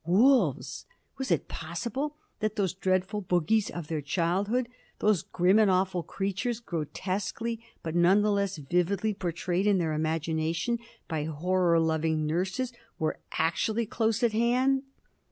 Wolves! was it possible that those dreadful bogies of their childhood those grim and awful creatures, grotesquely but none the less vividly portrayed in their imagination by horror loving nurses were actually close at hand!